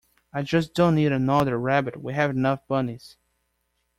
I just don't need another rabbit. We have enough bunnies.